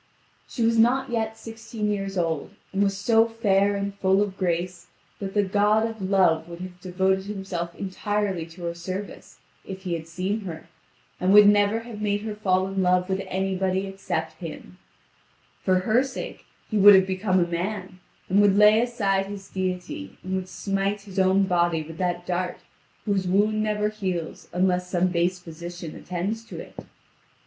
She was not yet sixteen years old, and was so fair and full of grace that the god of Love would have devoted himself entirely to her service, if he had seen her, and would never have made her fall in love with anybody except himself. For her sake he would have become a man, and would lay aside his deity, and would smite his own body with that dart whose wound never heals unless some base physician attends to it.